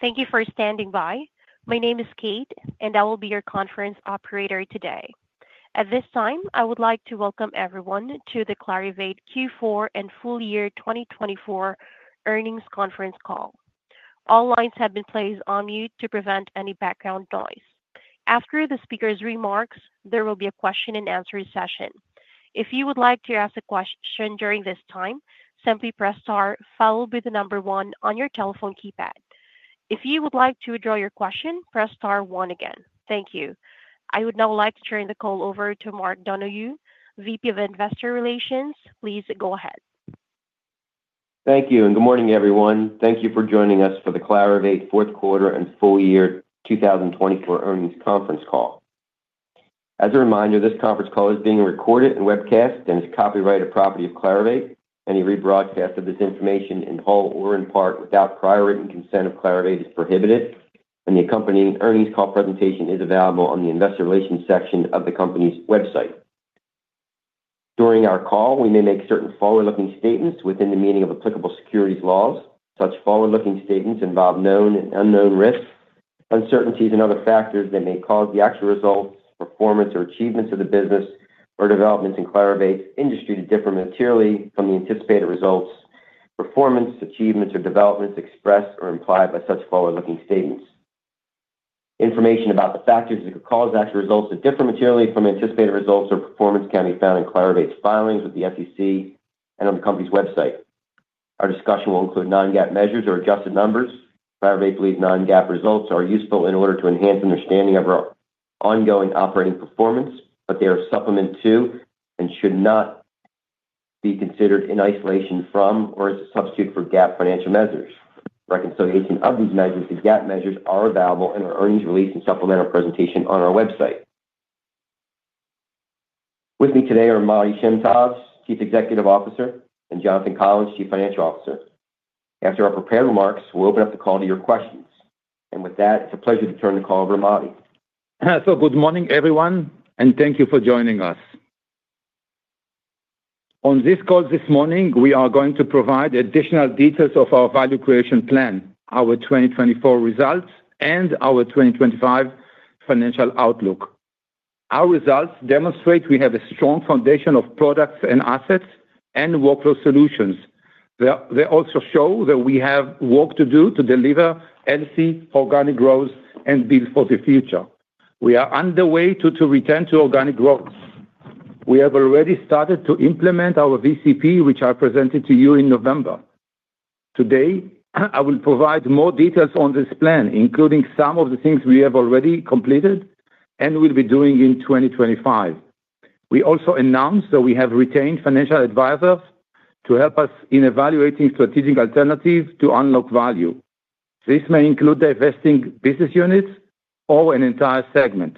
Thank you for standing by. My name is Kate and I will be your conference operator today. At this time I would like to welcome everyone to the Clarivate Q4 and full year 2024 earnings conference call. All lines have been placed on mute to prevent any background noise. After the speaker's remarks, there will be a question and answer session. If you would like to ask a question during this time, simply press star followed with the number one on your telephone keypad. If you would like to withdraw your question, press star one again. Thank you. I would now like to turn the call over to Mark Donohue, VP of Investor Relations. Please go ahead. Thank you and good morning everyone. Thank you for joining us for the Clarivate Q4 and full year 2024 earnings conference call. As a reminder, this conference call is being recorded and webcast and is copyrighted property of Clarivate. Any rebroadcast of this information in whole or in part without prior written consent of Clarivate is prohibited and the accompanying earnings call presentation is available on the investor relations section of the company's website. During our call we may make certain forward-looking statements within the meaning of applicable securities laws. Such forward-looking statements involve known and unknown risks, uncertainties and other factors that may cause the actual results, performance or achievements of the business or developments in Clarivate's industry to differ materially from the anticipated results, performance, achievements or developments expressed or implied by such forward-looking statements. Information about the factors that could cause actual results to differ materially from anticipated results or performance can be found in Clarivate's filings with the SEC and on the company's website. Our discussion will include non-GAAP measures or adjusted numbers. Clarivate believes non-GAAP results are useful in order to enhance understanding of our ongoing operating performance, but they are supplemental to and should not be considered in isolation from or as a substitute for GAAP financial measures. Reconciliation of these measures to GAAP measures are available in our earnings release and supplemental presentation on our website. With me today are Matti Shem Tov, Chief Executive Officer, and Jonathan Collins, Chief Financial Officer. After our prepared remarks, we'll open up the call to your questions, and with that it's a pleasure to turn the call over to Matti. Good morning everyone and thank you for joining us. On this call, this morning we are going to provide additional details of our value creation plan, our 2024 results and our 2025 financial outlook. Our results demonstrate we have a strong foundation of products and assets and workflow solutions. They also show that we have work to do to deliver healthy organic growth and build for the future. We are underway to return to organic growth. We have already started to implement our VCP which I presented to you in November. Today I will provide more details on this plan including some of the things we have already completed and will be doing in 2025. We also announced that we have retained financial advisors to help us in evaluating strategic alternatives to unlock value. This may include divesting business units or an entire segment.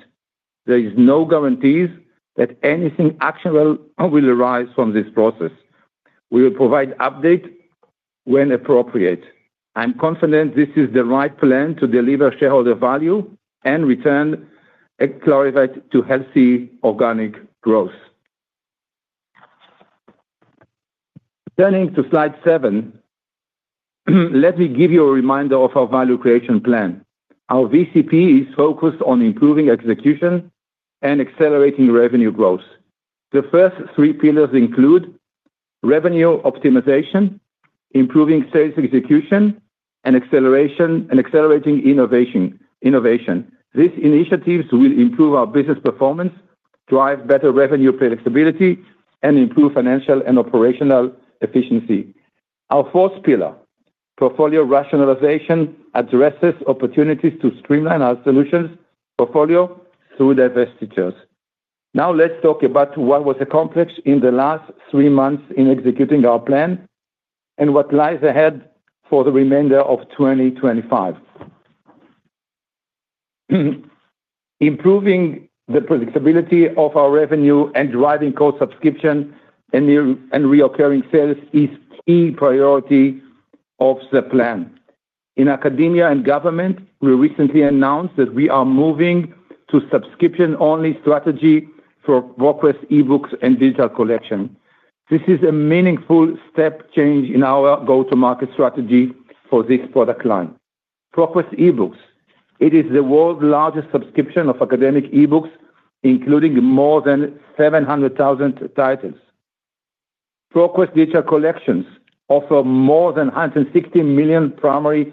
There is no guarantees that anything actionable will arise from this process. We will provide update when appropriate. I am confident this is the right plan to deliver shareholder value and return Clarivate to healthy organic growth. Turning to slide 7, let me give you a reminder of our Value Creation Plan. Our VCP is focused on improving execution and accelerating revenue growth. The first three pillars include revenue optimization, improving sales execution. Accelerating innovation. These initiatives will improve our business performance, drive better revenue predictability and improve financial and operational efficiency. Our fourth pillar, Portfolio Rationalization, addresses opportunities to streamline our solutions portfolio through divestitures. Now let's talk about what was accomplished in the last three months in executing our plan and what lies ahead for the remainder of 2025. Improving the predictability of our revenue and driving costs. Subscription and recurring sales is key priority of the plan in academia and government. We recently announced that we are moving to subscription only strategy for ProQuest eBooks and digital collections. This is a meaningful step change in our go-to-market strategy for this product line. ProQuest eBooks. It is the world's largest subscription of academic eBooks including more than 700,000 titles. ProQuest data collections offer more than 160 million primary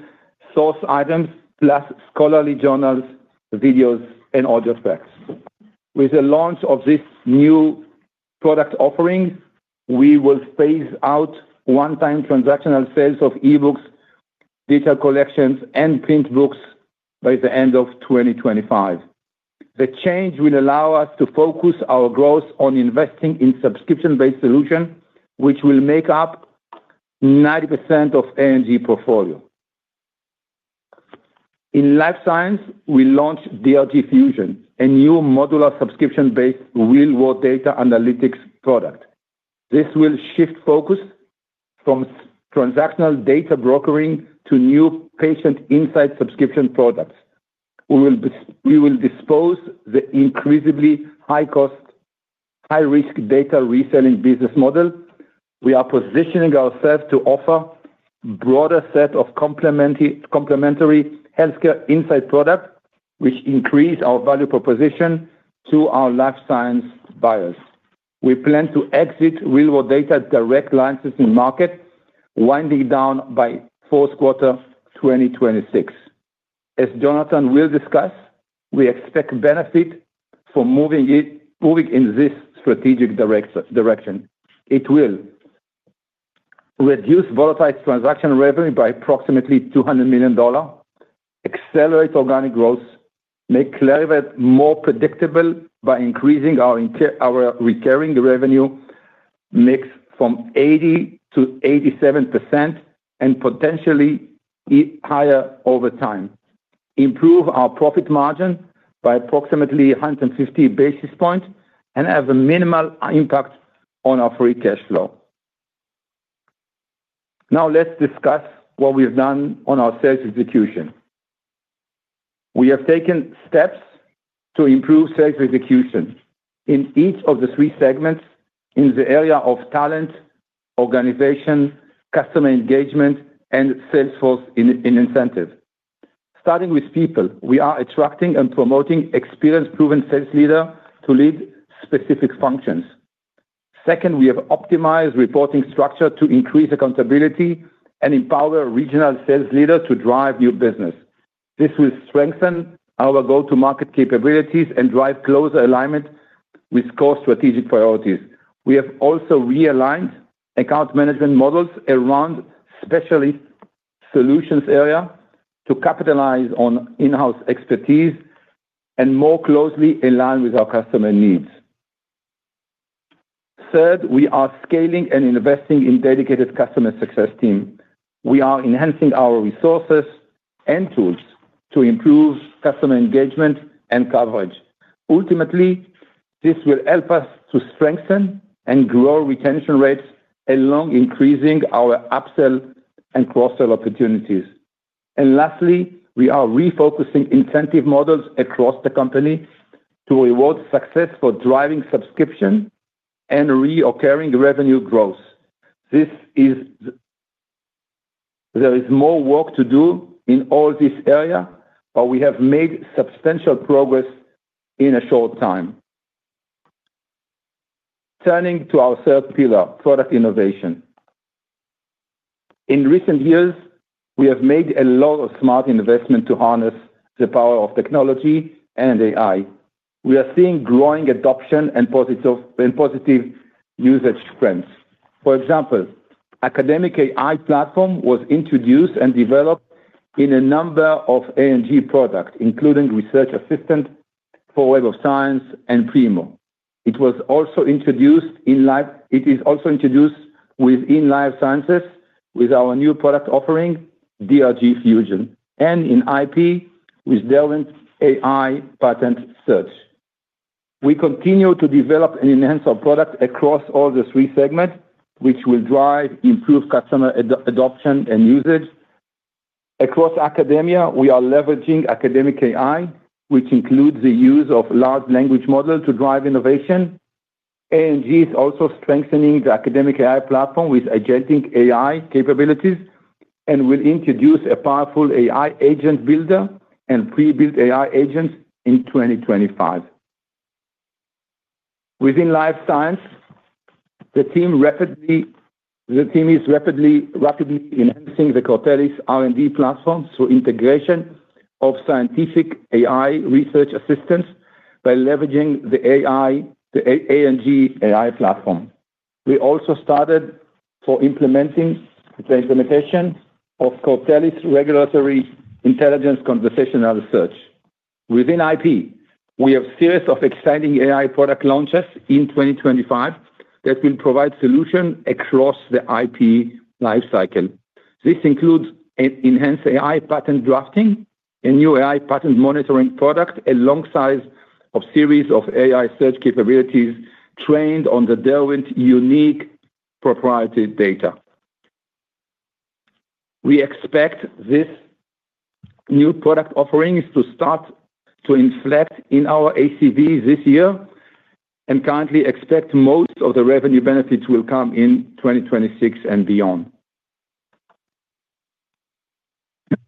source items plus scholarly journals, videos and audio files. With the launch of this new product offerings, we will phase out one-time transactional sales of eBooks, digital collections and print books by the end of 2025. The change will allow us to focus our growth on investing in subscription based solutions which will make up 90% of A&G portfolio. In life sciences we launched DRG Fusion, a new modular subscription-based, real-world data analytics product. This will shift focus from transactional data brokering to new patient insight subscription products. We will dispose of the increasingly high cost high risk data reselling business model. We are positioning ourselves to offer broader set of complementary health care insight product which increase our value proposition to our life science buyers. We plan to exit real world data direct lines in market winding down by Q4 2026. As Jonathan will discuss, we expect benefit from moving in this strategic direction. It will reduce volatile transaction revenue by approximately $200 million, accelerate organic growth, make Clarivate more predictable by increasing our recurring revenue mix from 80% to 87% and potentially higher over time, improve our profit margin by approximately 150 basis points, and have a minimal impact on our free cash flow. Now let's discuss what we've done on our sales execution. We have taken steps to improve sales execution in each of the three segments in the area of talent, organization, customer engagement and sales force incentive. starting with people, we are attracting and promoting experienced proven sales leader to lead specific functions. Second, we have optimized reporting structure to increase accountability and empower regional sales leader to drive new business. This will strengthen our go-to-market capabilities and drive closer alignment with core strategic priorities. We have also realigned account management models around specialist solutions area to capitalize on in-house expertise and more closely in line with our customer needs. Third, we are scaling and investing in dedicated customer success team. We are enhancing our resources and tools to improve customer engagement and coverage. Ultimately this will help us to strengthen and grow retention rates while increasing our upsell and cross sell opportunities. And lastly we are refocusing incentive models across the company to reward success for driving subscription and recurring revenue growth. There is more work to do in all this area but we have made substantial progress in a short time. Turning to our third pillar Product Innovation. In recent years we have made a lot of smart investment to harness the power of technology and AI. We are seeing growing adoption and positive usage trends. For example, Academic AI platform was introduced and developed in a number of A&G products including Research Assistant for Web of Science and Primo. It was also introduced in life sciences. It is also introduced within life sciences with our new product offering DRG Fusion and in IP with Derwent's AI Patent Search. We continue to develop and enhance our product across all three segments which will drive improved customer adoption and usage. Across academia we are leveraging Academic AI which includes the use of large language models to drive innovation. A&G is also strengthening the Academic AI platform with advanced AI capabilities and will introduce a powerful AI agent builder and pre-built AI agents in 2025. Within life science, he team is rapidly enhancing the Cortellis R&D platform through integration of scientific AI research assistance. By leveraging the A&G AI platform we also started implementing of Cortellis Regulatory Intelligence conversational research within IP. We have series of exciting AI product launches in 2025 that will provide solutions across the IP life cycle. This includes enhanced AI patent drafting, a new AI patent monitoring product alongside of series of AI search capabilities trained on the Derwent unique proprietary data. We expect this new product offerings to start to inflect in our ACV this year and currently expect most of the revenue benefits will come in 2026 and beyond.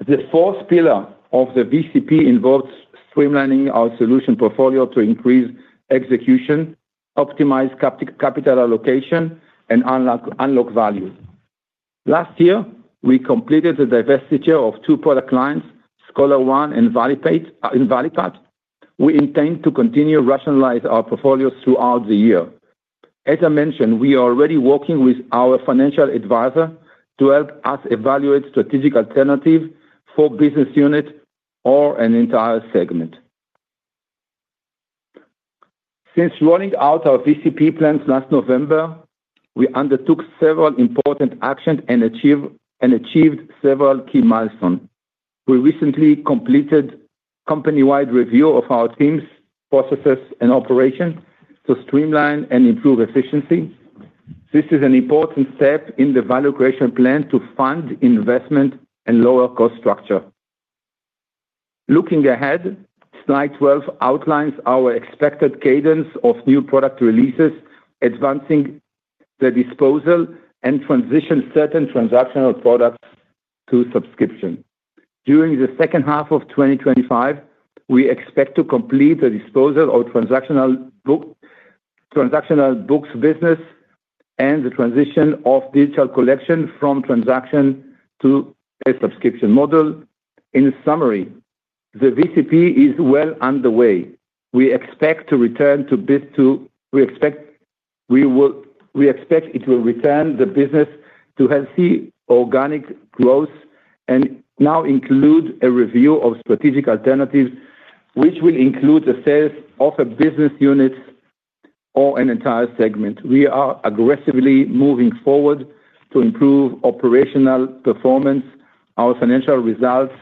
The fourth pillar of the VCP involves streamlining our solution portfolio to increase execution, optimize capital allocation and unlock value. Last year we completed the divestiture of two product lines, ScholarOne and Valipat. We intend to continue rationalizing our portfolio throughout the year. As I mentioned, we are already working with our financial advisor to help us evaluate strategic alternative for business unit or an entire segment. Since rolling out our VCP plans last November, we undertook several important actions and achieved several key milestones. We recently completed company-wide review of our teams, processes and operations to streamline and improve efficiency. This is an important step in the value creation plan to fund investment and lower cost structure. Looking ahead, slide 12 outlines our expected cadence of new product releases. Advancing the disposal and transition certain transactional products to subscription during the second half of 2025, we expect to complete the disposal of. Transactional books business and the transition of digital collection from transaction to a subscription model. In summary, the VCP is well underway. We expect it will return the business to healthy organic growth and now include a review of strategic alternatives which will include the sales of a business unit or an entire segment. We are aggressively moving forward to improve operational performance, our financial results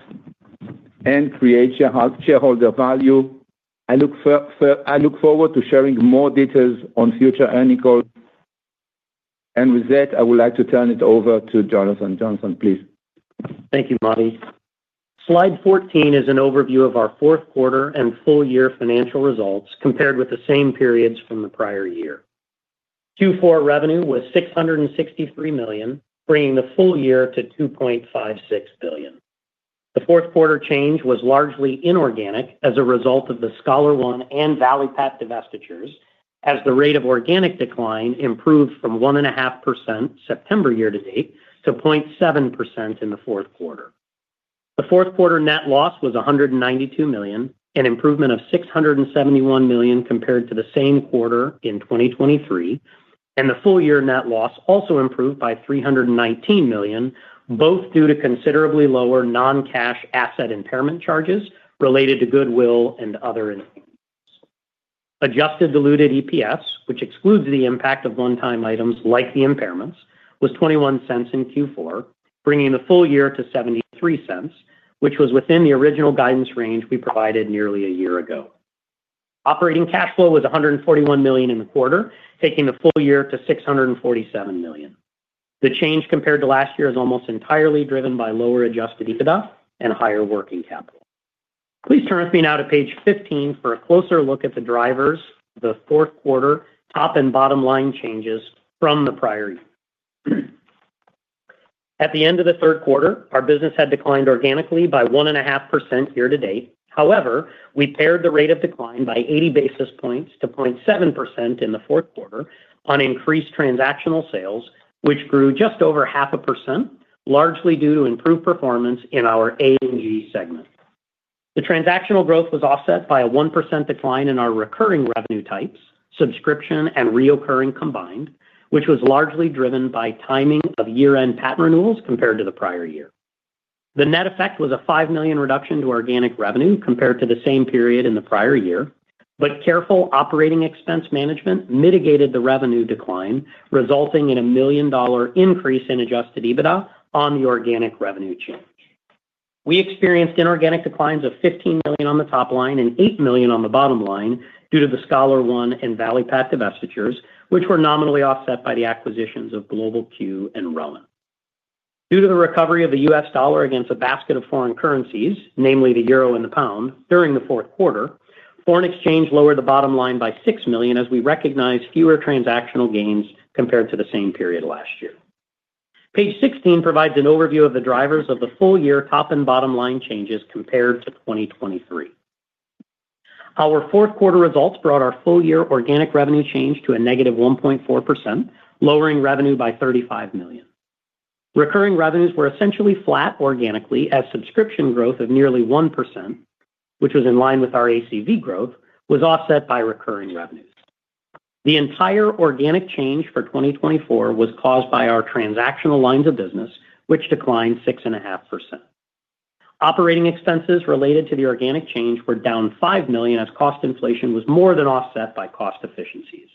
and create shareholder value. I look forward to sharing more details on future earnings, and with that I would like to turn it over to Jonathan. Jonathan, please. Thank you, Matti. Slide 14 is an overview of our Q4 and full year financial results. Compared with the same periods from the prior year, Q4 revenue was $663 million, bringing the full year to $2.56 billion. The Q4 change was largely inorganic as a result of the ScholarOne and Valipat divestitures as the rate of organic decline improved from 1.5% September year to date to 0.7% in the Q4. The Q4 net loss was $192 million, an improvement of $671 million compared to the same quarter in 2023 and the full year net loss also improved by $319 million, both due to considerably lower non-cash asset impairment charges related to goodwill and other. adjusted Diluted EPS, which excludes the impact of one-time items like the impairments, was $0.21 in Q4, bringing the full year to $0.73, which was within the original guidance range we provided nearly a year ago. Operating cash flow was $141 million in the quarter, taking the full year to $647 million. The change compared to last year is almost entirely driven by lower adjusted EBITDA and higher working capital. Please turn with me now to page 15 for a closer look at the drivers the Q4 top and bottom line changes from the prior year. At the end of the Q3 our business had declined organically by 1.5% year to date. However, we pared the rate of decline by 80 basis points to 0.7% in the Q4 on increased transactional sales which grew just over half a percentage largely due to improved performance in our A&G segment. The transactional growth was offset by a 1% decline in our recurring revenue types subscription and recurring combined, which was largely driven by timing of year-end patent renewals compared to the prior year. The net effect was a $5 million reduction to organic revenue compared to the same period in the prior year, but careful operating expense management mitigated the revenue decline resulting in a $1 million increase in adjusted EBITDA on the organic revenue change. We experienced inorganic declines of $15 million on the top line and $8 million on the bottom line due to the ScholarOne and Valipat divestitures which were nominally offset by the acquisitions of Global Q and Rowan. Due to the recovery of the U.S. dollar against a basket of foreign currencies, namely the euro and the pound. During the Q4, foreign exchange lowered the bottom line by $6 million as we recognized fewer transactional gains compared to the same period last year. Page 16 provides an overview of the drivers of the full year top and bottom line changes compared to 2023. Our Q4 results brought our full year organic revenue change to a -1.4%, lowering revenue by $35 million. Recurring revenues were essentially flat organically as subscription growth of nearly 1% which was in line with our ACV growth was offset by recurring revenues. The entire organic change for 2024 was caused by our transactional lines of business which declined 6.5%. Operating expenses related to the organic change were down $5 million as cost inflation was more than offset by cost efficiencies.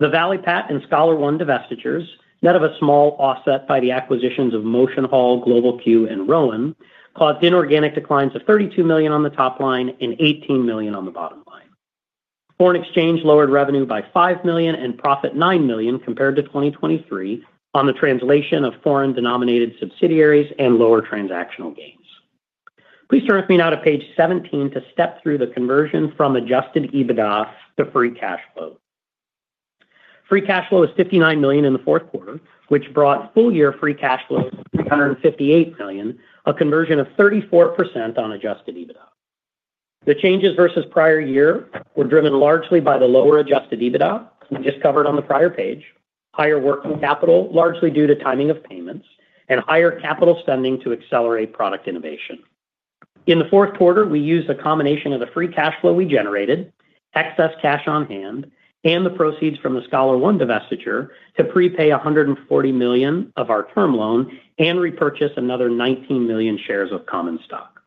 The Valipat and ScholarOne divestitures net of a small offset by the acquisitions of MotionHall, Global Q and Rowan caused inorganic declines of $32 million on the top line and $18 million on the bottom line. Foreign exchange lowered revenue by $5 million and profit $9 million compared to 2023 on the translation of foreign denominated subsidiaries and lower transactional gains. Please turn with me now to page 17 to step through the conversion from adjusted EBITDA to free cash flow. Free cash flow was $59 million in the Q4, which brought full year free cash flow $358 million, a conversion of 34% on adjusted EBITDA. The changes versus prior year were driven largely by the lower adjusted EBITDA we just covered on the prior page, higher working capital largely due to timing of payments and higher capital spending. To accelerate product innovation in the Q4, we used a combination of the free cash flow we generated, excess cash on hand, and the proceeds from the ScholarOne divestiture to prepay $140 million of our term loan and repurchase another $19 million shares of common stock.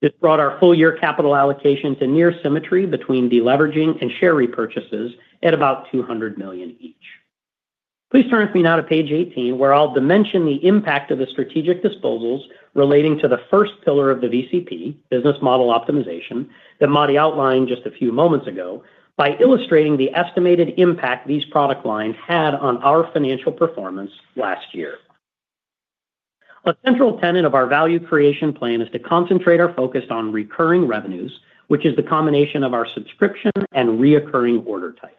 This brought our full year capital allocation to near symmetry between deleveraging and share repurchases at about $200 million each. Please turn with me now to page 18 where I'll mention the impact of the strategic disposals relating to the first pillar of the VCP business model optimization that Matti outlined just a few moments ago by illustrating the estimated impact these product lines had on our financial performance last year. A central tenet of our value creation plan is to concentrate our focus on recurring revenues, which is the combination of our subscription and recurring order types.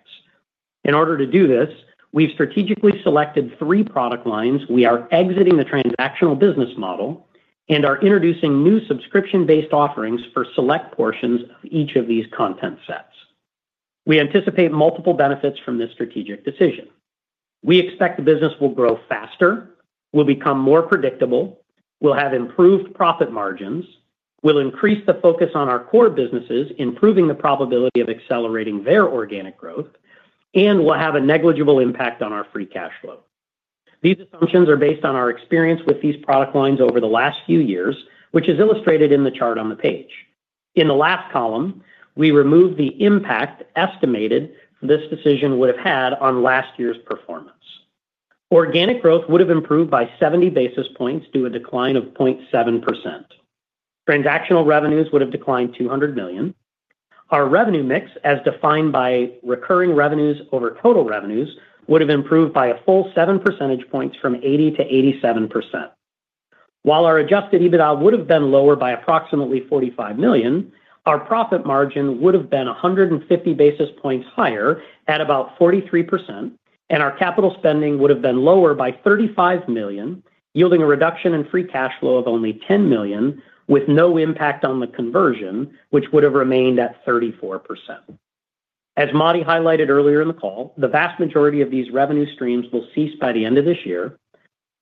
In order to do this, we've strategically selected three product lines. We are exiting the transactional business model and are introducing new subscription-based offerings for select portions of each of these content sets. We anticipate multiple benefits from this strategic decision. We expect the business will grow faster, will become more predictable, will have improved profit margins, will increase the focus on our core businesses, improving the probability of accelerating their organic growth, and will have a negligible impact on our free cash flow. These assumptions are based on our experience with these product lines over the last few years, which is illustrated in the chart on the page. In the last column we remove the impact estimated from this decision would have had on last year's performance. Organic growth would have improved by 70 basis points due to a decline of 0.7%. Transactional revenues would have declined $200 million. Our revenue mix as defined by recurring revenues over total revenues would have improved by a full 7 percentage points from 80% to 87%, while our adjusted EBITDA would have been lower by approximately $45 million. Our profit margin would have been 150 basis points higher at about 43% and our capital spending would have been lower by $35 million, yielding a reduction in free cash flow of only $10 million with no impact on the conversion, which would have remained at 34%. As Matti highlighted earlier in the call, the vast majority of these revenue streams will cease by the end of this year.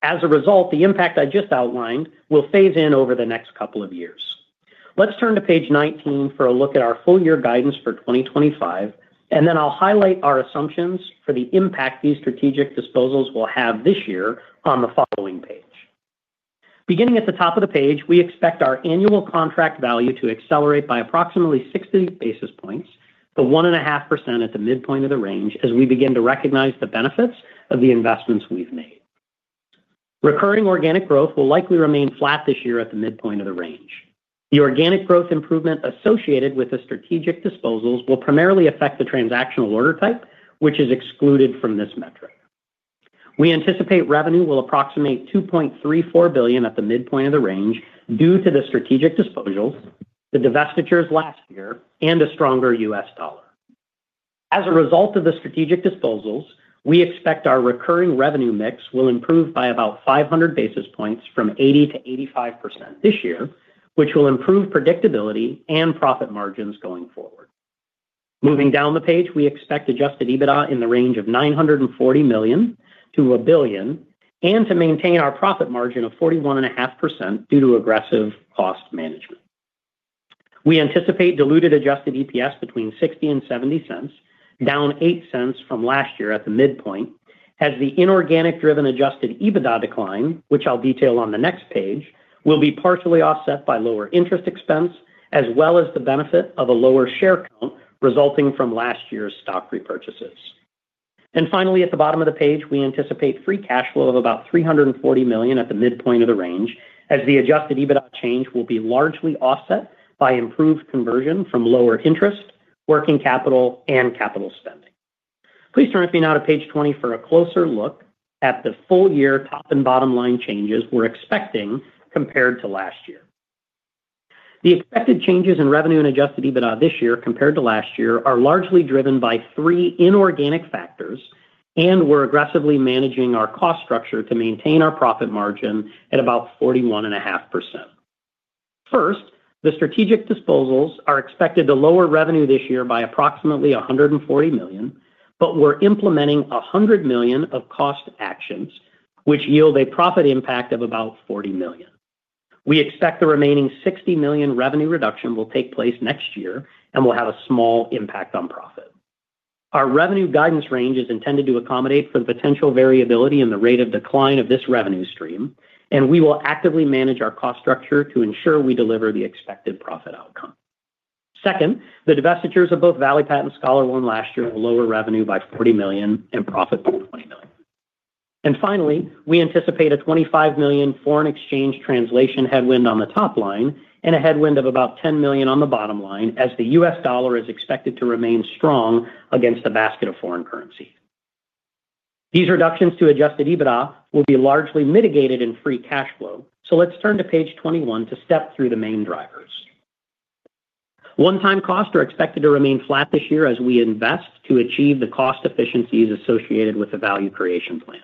As a result, the impact I just outlined will phase in over the next couple of years. Let's turn to page 19 for a look at our full year guidance for 2025 and then I'll highlight our assumptions for the impact these strategic disposals will have this year on the following page. Beginning at the top of the page, we expect our annual contract value to accelerate by approximately 60 basis points to 1.5% at the midpoint of the range as we begin to recognize the benefits of the investments we've made. Recurring organic growth will likely remain flat this year at the midpoint of the range. The organic growth improvement associated with the strategic disposals will primarily affect the transactional order type, which is excluded from this metric. We anticipate revenue will approximate $2.34 billion at the midpoint of the range due to the strategic disposals, the divestitures last year and a stronger U.S. dollar as a result of the strategic disposals. We expect our recurring revenue mix will improve by about 500 basis points from 80%-85% this year, which will improve predictability and profit margins going forward. Moving down the page, we expect adjusted EBITDA in the range of $940 million-$1 billion and to maintain our profit margin of 41.5% due to aggressive cost management, we anticipate diluted adjusted EPS between $0.60 and $0.70, down $0.08 from last year at the midpoint as the inorganic driven adjusted EBITDA decline, which I'll detail on the next page, will be partially offset by lower interest expense as well as the benefit of a lower share count resulting from last year's stock repurchases. Finally, at the bottom of the page, we anticipate free cash flow of about $340 million at the midpoint of the range as the adjusted EBITDA change will be largely offset by improved conversion from lower interest working capital and capital spending. Please turn with me now to page 20 for a closer look at the full year top and bottom line changes we're expecting compared to last year. The expected changes in revenue and adjusted EBITDA this year compared to last year are largely driven by three inorganic factors and we're aggressively managing our cost structure to maintain our profit margin at about 41.5%. First, the strategic disposals are expected to lower revenue this year by approximately $140 million, but we're implementing $100 million of cost actions which yield a profit impact of about $40 million. We expect the remaining $60 million revenue reduction will take place next year and will have a small impact on profit. Our revenue guidance range is intended to accommodate for the potential variability in the rate of decline of this revenue stream and we will actively manage our cost structure to ensure we deliver the expected profit outcome. Second, the divestitures of both Valipat and ScholarOne last year will lower revenue by $40 million and profit by $20 million. And finally, we anticipate a $25 million foreign exchange translation headwind on the top line and a headwind of about $10 million on the bottom line as the U.S. dollar is expected to remain strong against the basket of foreign currency. These reductions to adjusted EBITDA will be largely mitigated in free cash flow. So let's turn to page 21 to step through the main drivers. One-time costs are expected to remain flat this year as we invest to achieve the cost efficiencies associated with the value creation plan.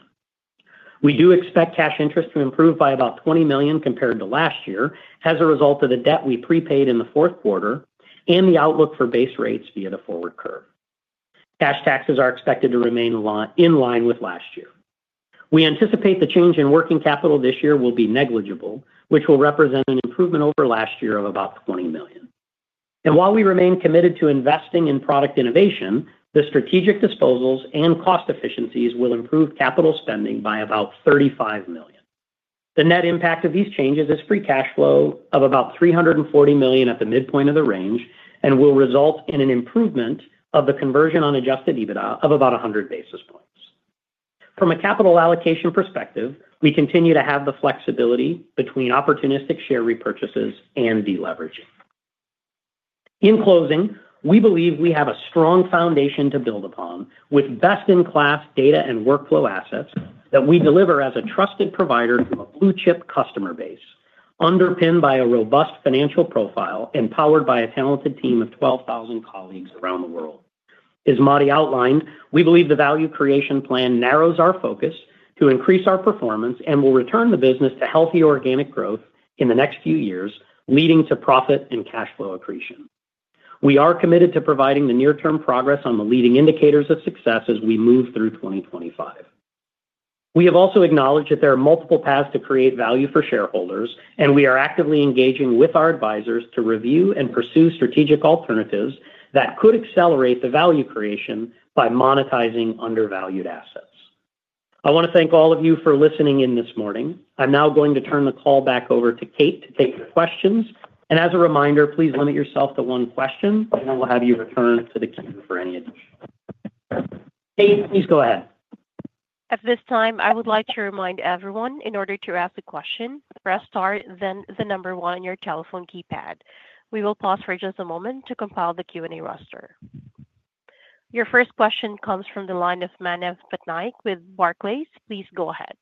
We do expect cash interest to improve by about $20 million compared to last year as a result of the debt we prepaid in the Q4 and the outlook for base rates via the forward curve. Cash taxes are expected to remain in line with last year. We anticipate the change in working capital this year will be negligible, which will represent an improvement over last year of about $20 million. While we remain committed to investing in product innovation, the strategic disposals and cost efficiencies will improve capital spending by about $35 million. The net impact of these changes is free cash flow of about $340 million at the midpoint of the range and will result in an improvement of the conversion on adjusted EBITDA of about 100 basis points. From a capital allocation perspective, we continue to have the flexibility between opportunistic share repurchases and deleveraging. In closing, we believe we have a strong foundation to build upon with best in class data and workflow assets that we deliver as a trusted provider to a blue chip customer base underpinned by a robust financial profile and powered by a talented team of 12,000 colleagues around the world. As Matti outlined, we believe the Value Creation Plan narrows our focus to increase our performance and will return the business to healthy organic growth in the next few years leading to profit and cash flow accretion. We are committed to providing the near term progress on the leading indicators of success as we move through 2025. We have also acknowledged that there are multiple paths to create value for shareholders and we are actively engaging with our advisors to review and pursue strategic alternatives and that could accelerate the value creation by monetizing undervalued assets. I want to thank all of you for listening in this morning. I'm now going to turn the call back over to Kate to take your questions. And as a reminder, please limit yourself to one question and then we'll have you return to the queue for any additional questions. Kate, please go ahead. At this time I would like to remind everyone, in order to ask a question, press star, then the number one on your telephone keypad. We will pause for just a moment to compile the Q&A roster. Your first question comes from the line of Manav Patnaik with Barclays. Please go ahead.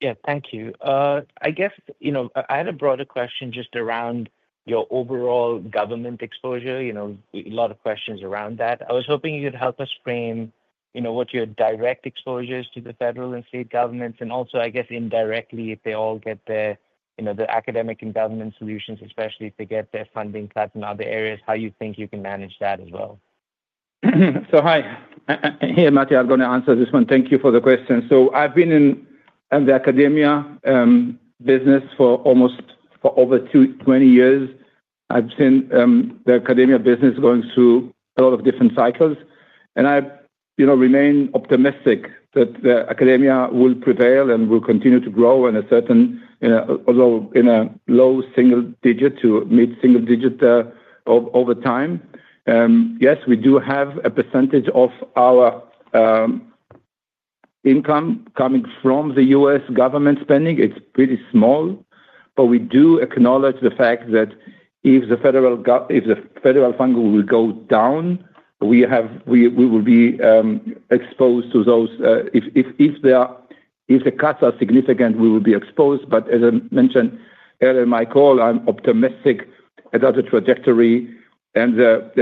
Yeah, thank you. I guess, you know, I had a broader question just around your overall government exposure. You know, a lot of questions around that. I was hoping you'd help us frame, you know, what your direct exposures to the federal and state governments and also. I guess indirectly if they all get the you know, the academic and government solutions, especially if they get their funding cut in other areas, how you think you can manage that as well? So, hi. Matti here, I'm going to answer this one. Thank you for the question. So I've been in the academia business for almost over 20 years. I've seen the academia business going through a lot of different cycles and I remain optimistic that academia will prevail and will continue to grow in a certain although in a low-single digit to mid-single digit over time. Yes, we do have a percentage of our income coming from the U.S. Government spending. It's pretty small. But we do acknowledge the fact that if the federal fund will go down, we will be exposed to those. If the cuts are significant, we will be exposed. But as I mentioned earlier in my call, I'm optimistic about another trajectory and the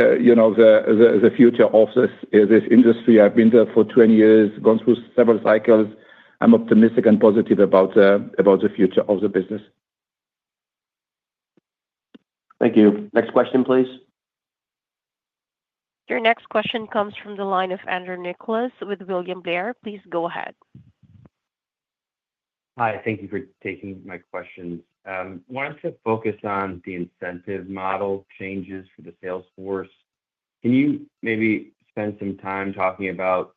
future of this industry. I've been there for 20 years, gone through several cycles. I'm optimistic and positive about the future of the business. Thank you. Next question please. Your next question comes from the line of Andrew Nicholas with William Blair. Please go ahead. Hi, thank you for taking my questions. Wanted to focus on the incentive model changes for the Salesforce. Can you maybe spend some time talking about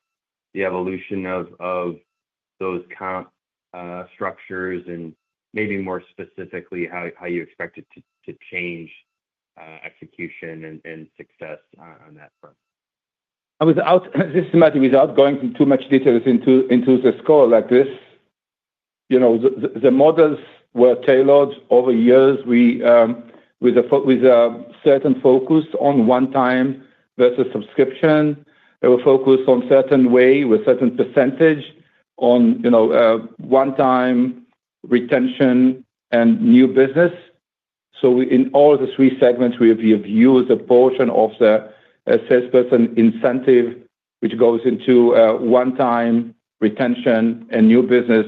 the evolution of those comp structures and maybe more specifically how you expect it to change execution and success on that front? Systematic without going too much detail into the score like this, you know, the models were tailored over years. With a certain focus on one-time versus subscription. They were focused on certain way with certain percentage on, you know, one-time retention and new business. So in all three segments we have used a portion of the salesperson incentive which goes into one-time retention and new business.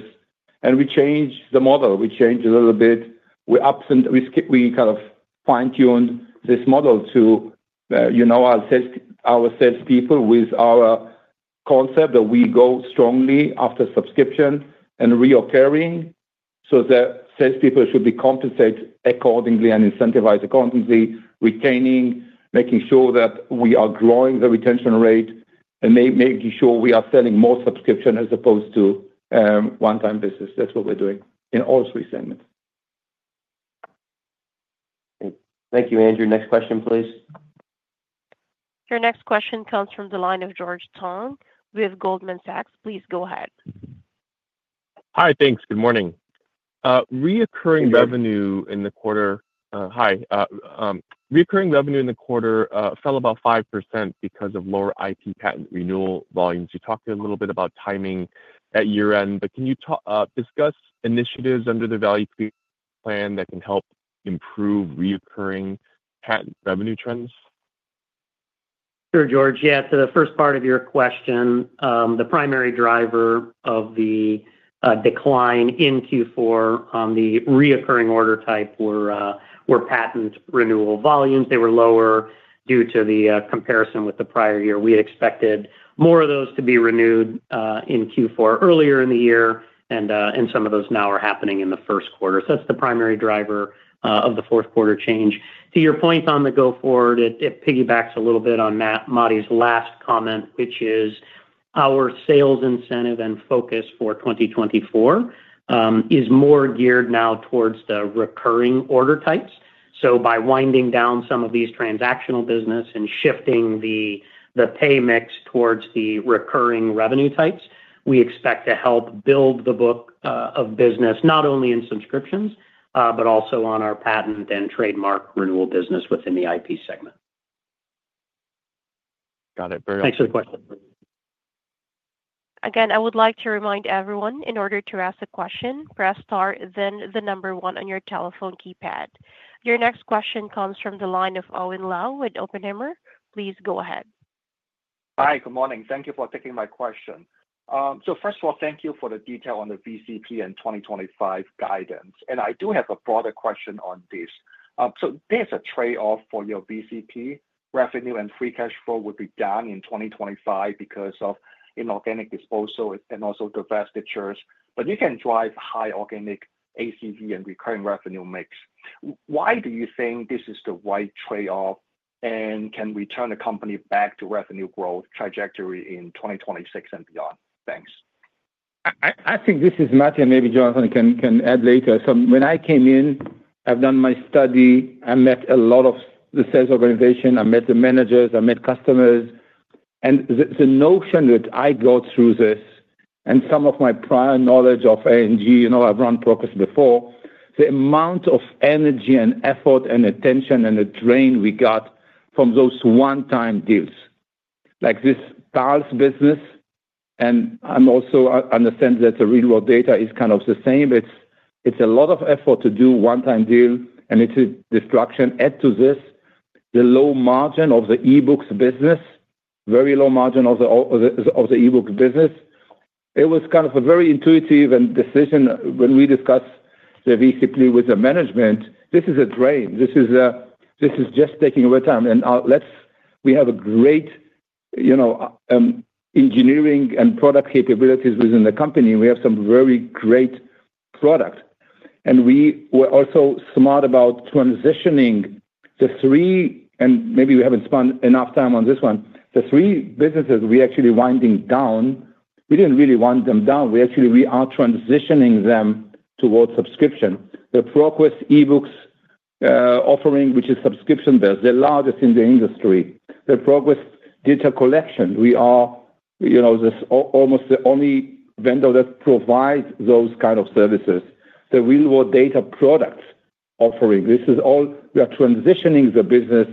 And we change the model, we change a little bit. We kind of fine-tuned this model to, you know, our salespeople with our concept that we go strongly after subscription and recurring so that salespeople should be compensated accordingly and incentivize the customer retention, making sure that we are growing the retention rate and making sure we are selling more subscription as opposed to one-time business. That's what we're doing in all three segments. Thank you Andrew. Next question please. Your next question comes from the line of George Tong with Goldman Sachs. Please go ahead. Hi. Thanks. Good morning. Recurring revenue in the quarter fell about 5% because of lower IP patent renewal volumes. You talked a little bit about timing at year end, but can you discuss initiatives under the Value Creation Plan that can help improve recurring patent revenue trends? Sure. George. Yeah. To the first part of your question, the primary driver of the decline in Q4 on the recurring order type were patent renewal volume. They were lower due to the comparison with the prior year. We expected more of those to be renewed in Q4 earlier in the year and some of those now are happening in the Q1. So that's the primary driver of the Q4 change. To your point on the go forward, it piggybacks a little bit on Matti's last comment which is our sales incentive and focus for 2024 is more geared now towards the recurring order types. So by winding down some of these transactional business and shifting the pay mix towards the recurring revenue types, we expect to help build the book of business not only in subscriptions but also on our patent and trademark renewal business within the IP segment. Got it. Thanks for the question. Again, I would like to remind everyone in order to ask a question, press star, then the number one on your telephone keypad. Your next question comes from the line of Owen Lau with Oppenheimer. Please go ahead. Hi, good morning. Thank you for taking my question. So first of all, thank you for the detail on the VCP and 2025 guidance and I do have a broader question on this. So there's a trade off for your VCP revenue and free cash flow will be down in 2025 because of inorganic disposal and also divestitures. But you can drive high organic ACV and recurring revenue mix. Why do you think this is the right trade off and can return the company back to revenue growth trajectory in 2026 and beyond. Thanks. This is Matti maybe Jonathan can add later. So when I came in, I've done my study. I met a lot of the sales organization, I met the managers, I met customers. And the notion that I got through this and some of my prior knowledge of A&G, you know I've run ProQuest before. The amount of energy and effort and attention and the drain we got from those one-time deals like this business. Also understand that the real world data is kind of the same. It's a lot of effort to do one-time deal and it's a destruction. Add to this the low margin of the eBooks business. Very low margin of the eBooks business. It was kind of a very intuitive decision when we discussed the VCP with the management. This is a drain. This is just taking over time. We have a great engineering and product capabilities within the company. We have some very great product. And we were also smart about transitioning the three and maybe we haven't spent enough time on this one. The three businesses we actually winding down, we didn't really wind them down. We actually we are transitioning them towards subscription. The ProQuest eBooks offering which is subscription-based, the largest in the industry. The ProQuest data collection. We are, you know this almost the only vendor that provides those kind of services. The real-world data products offering. This is all we are transitioning the business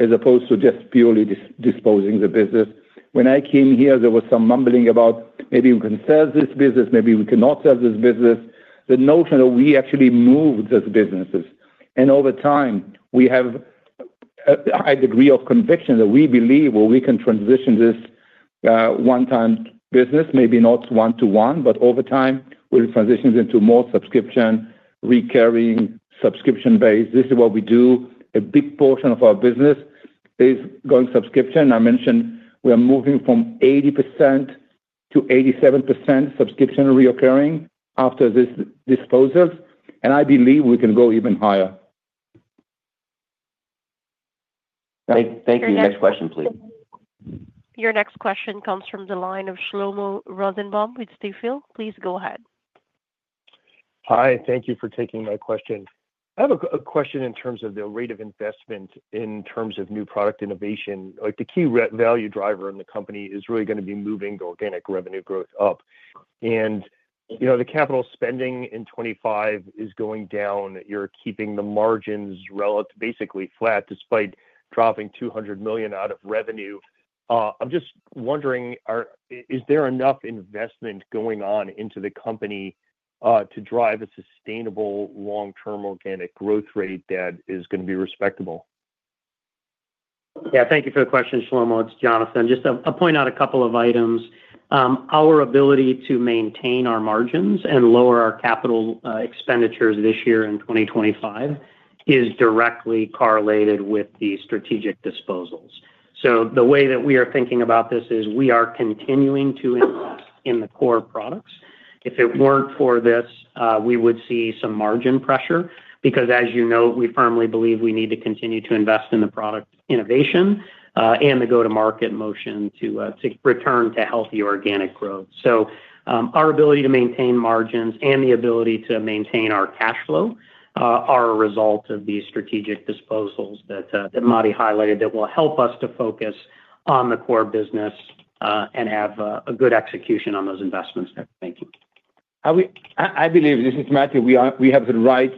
as opposed to just purely disposing the business. When I came here there was some mumbling about maybe we can sell this business, maybe we cannot sell this business. The notion of we actually move those businesses and over time we have high degree of conviction that we believe we can transition this one-time business, maybe not one-to-one but over time will transition into more subscription, recurring subscription base. This is what we do. A big portion of our business is going subscription. I mentioned we are moving from 80% to 87% subscription recurring after this disposal and I believe we can go even higher. Thank you. Next question please. Your next question comes from the line of Shlomo Rosenbaum with Stifel. Please go ahead. Hi, thank you for taking my question. I have a question. In terms of the rate of investment, in terms of new product innovation, like the key value driver in the company is really going to be moving organic revenue growth up, and you know the capital spending in 2025 is going down. You're keeping the margins relatively basically flat despite dropping $200 million out of revenue. I'm just wondering, is there enough investment going on into the company to drive a sustainable long-term organic growth rate that is going to be respectable. Yeah, thank you for the question Shlomo. It's Jonathan. Just point out a couple of items. Our ability to maintain our margins and lower our capital expenditures this year in 2025 is directly correlated with the strategic disposals. So the way that we are thinking about this is we are continuing to invest in the core products. If it weren't for this we would see some margin pressure because as you know we firmly believe we need to continue to invest in the product innovation and the go to market motion to return to healthy organic growth. So our ability to maintain margins and the ability to maintain our cash flow are a result of these strategic disposals that Matti highlighted that will help us to focus on the core business and have a good execution on those investments. Thank you. This is Matti, we have the right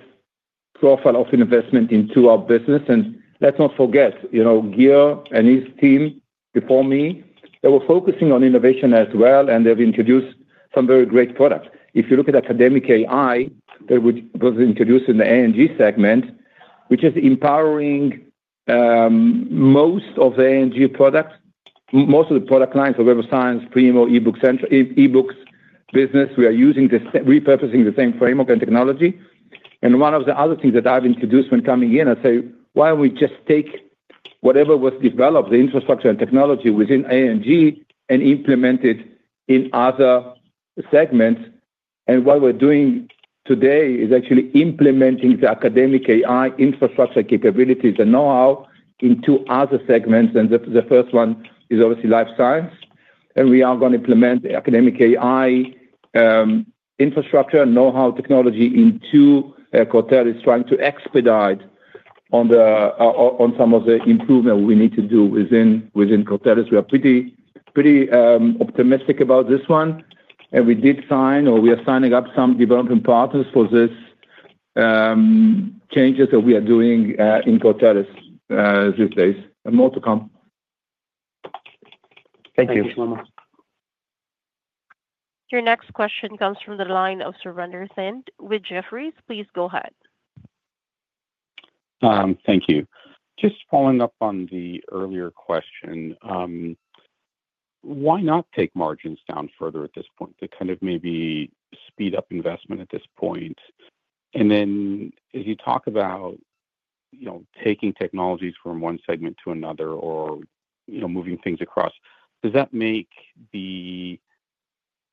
profile of investment into our business. And let's not forget Gil and his team before me. They were focusing on innovation as well and they've introduced some very great products. If you look at Academic AI that was introduced in the A&G segment which is empowering. Most of the A&G products, most of the product lines of Web of Science, Primo, eBooks business, we are using repurposing the same framework and technology. One of the other things that I've introduced when coming in, I say why don't we just take whatever was developed, the infrastructure and technology within A&G and implemented in other segments, and what we're doing today is actually implementing the academic AI infrastructure capabilities and know how in two other segments, and the first one is obviously life science and we are going to implement academic AI infrastructure know how technology into Cortellis trying to expedite. On some of the improvement we need to do within Cortellis we are pretty optimistic about this one and we did sign or we are signing up some development partners for this. Changes that we are doing in Cortellis these days. More to come. Thank you. Your next question comes from the line of Surinder Thind with Jefferies. Please go ahead. Thank you. Just following up on the earlier question. Why not take margins down further at? This point to kind of maybe speed. Up investment at this point and then as you talk about, you know, taking technologies from one segment to another or you know, moving things across, does that make the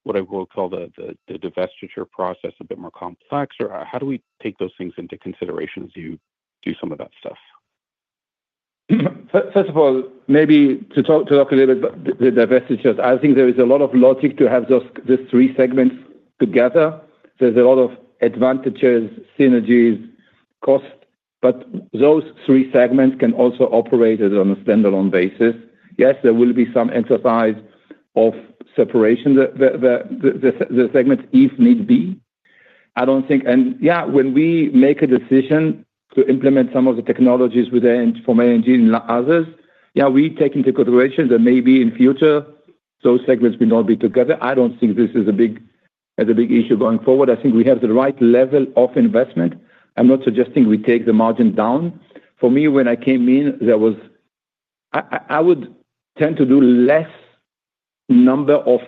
what I call the divestiture process a bit more complex or how do we take those things into consideration as you do some of that stuff? First of all, maybe to talk a little bit about the divestitures. I think there is a lot of logic to have these three segments together. There's a lot of advantages, synergies, cost. But those three segments can also operate on a standalone basis. Yes, there will be some cost of separation of the segments if need be, I don't think. And yeah, when we make a decision to implement some of the technologies from A&G and others, yeah, we take into consideration that maybe in future those segments will not be together. I don't think this is a big issue going forward. I think we have the right level of investment. I'm not suggesting we take the margin down. For me, when I came in there was I would tend to do less number of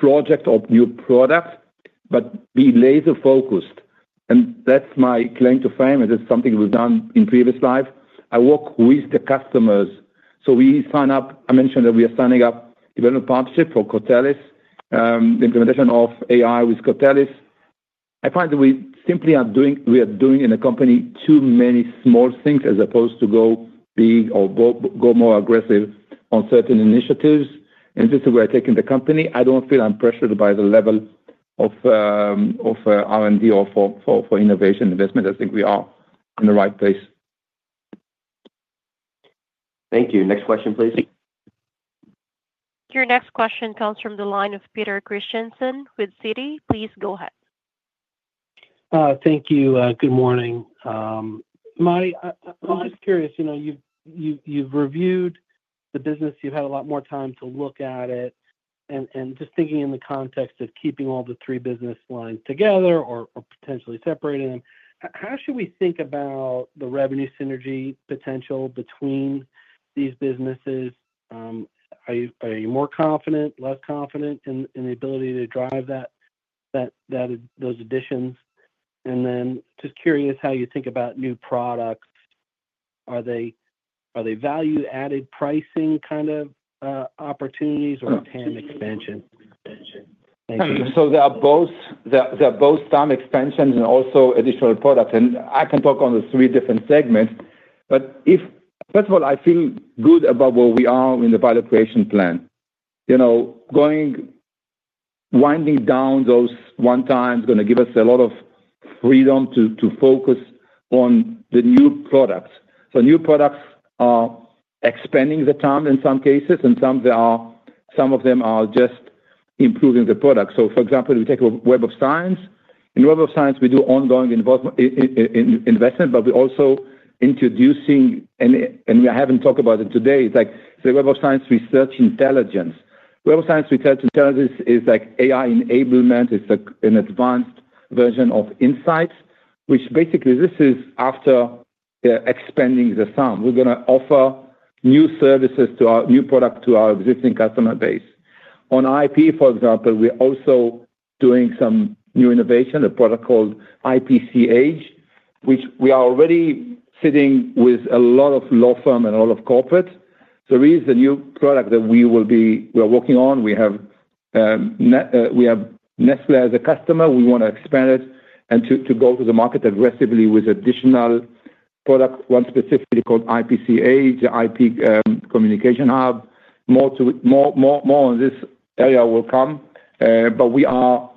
projects or new products but be laser focused. And that's my claim to fame and it's something we've done in previous life. I work with the customers. So we sign up. I mentioned that we are signing up development partnership for Cortellis, the implementation of AI with Cortellis. I find that we simply are doing in a company too many small things as opposed to go big or go more aggressive on certain initiatives. And this is where I fit in the company. I don't feel I'm pressured by the level of R&D or for innovation investment. I think we are in the right place. Thank you. Next question please. Your next question comes from the line of Peter Christiansen with Citi. Please go ahead. Thank you. Good morning. Matti, I'm just curious, you know, you've reviewed the business, you've had a lot more time to look at it. And just thinking in the context of keeping all the three business lines together or potentially separating them, how should we think about the revenue synergy potential between these businesses? Are you more confident, less confident in the ability to drive that those additions and then just curious how you think about new products. Are they value added pricing kind of opportunities or TAM expansion? Thank you. They're both TAM expansions and also additional products. I can talk on the three different segments. First of all, I feel good about where we are in the Value Creation Plan. You know, winding down those one-times is going to give us a lot of freedom to focus on the new products. New products are expanding the TAM in some cases and some of them are just improving the product. For example, we take Web of Science. In Web of Science we do ongoing investment but we also introducing and we haven't talked about it today it's like the Web of Science Research Intelligence. Web of Science Research Intelligence is like AI enablement. It's an advanced version of Insights which basically this is after expanding the TAM we're going to offer new services to our new product to our existing customer base. On IP, for example, we're also doing some new innovation, a product called IPCH which we are already sitting with a lot of law firm and a lot of corporate. There is a new product that we will be working on. We have Nestlé as a customer. We want to expand it and to go to the market aggressively with additional product, one specifically called IPCH, the IP Communication Hub. More on this area will come, but we are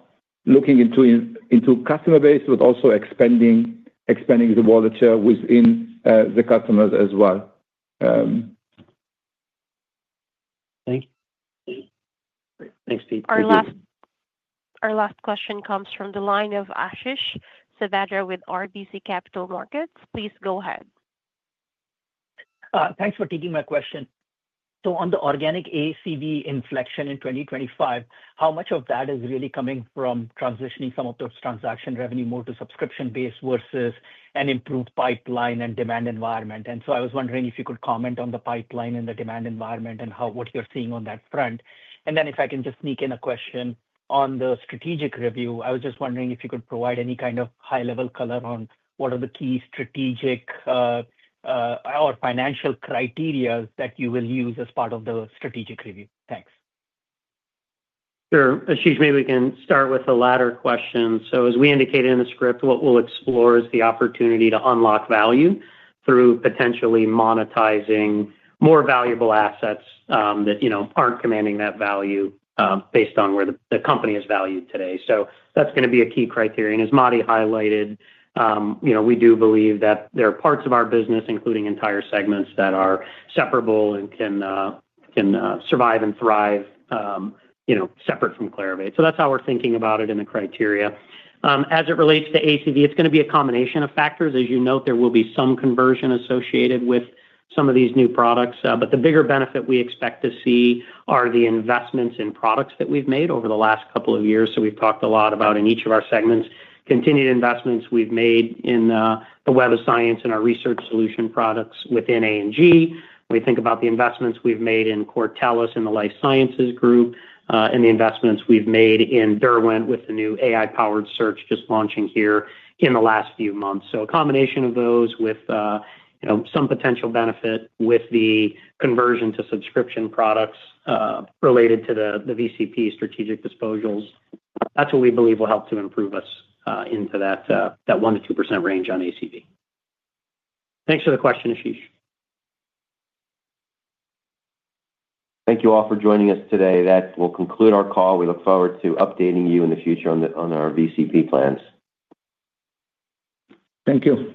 looking into customer base but also expanding the wallet share within the customers as well. Thank you. Thanks Pete. Our last question comes from the line of Ashish Sabadra with RBC Capital Markets. Please go ahead. Thanks for taking my question. So on the organic ACV inflection in 2025, how much of that is really coming from transitioning some of those transaction revenue more to subscription base versus an improved pipeline and demand environment? And so I was wondering if you comment on the pipeline and the demand environment and how what you're seeing on that front and then if I can just sneak in a question on the. Strategic review, I was just wondering if. You could provide any kind of high level color on what are the key strategic or financial criteria that you will use as part of the strategic review? Thanks. Sure, Ashish. Maybe we can start with the latter question. So as we indicated in the script, what we'll explore is the opportunity to unlock value through potentially monetizing more valuable assets that you know, aren't commanding that value based on where the company is valued today. So that's going to be a key criterion. And as Matti highlighted, you know, we do believe that there are parts of our business, including entire segments that are separable and can survive and thrive, you know, separate from Clarivate. So that's how we're thinking about it in the criteria as it relates to ACV. It's going to be a combination of factors. As you note, there will be some conversion associated with some of these new products. But the bigger benefit we expect to see are the investments in products that we've made over the last couple of years. So we've talked a lot about in each of our segments, continued investments we've made in the Web of Science and our research solution products within A&G. We think about the investments we've made in Cortellis in the Life Sciences Group and the investments we've made in Derwent with the new AI powered search just launching here in the last few months. So a combination of those with some potential benefit with the conversion to subscription products related to the VCP strategic disposals, that's what we believe will help to improve us into that 1%-2% range on ACV. Thanks for the question Ashish. Thank you all for joining us today. That will conclude our call. We look forward to updating you in the future on our VCP plans. Thank you.